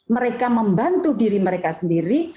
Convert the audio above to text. mereka membantu diri mereka sendiri